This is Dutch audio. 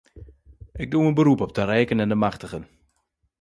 Ik doe een beroep op de rijken en de machtigen.